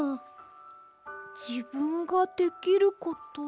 じぶんができること。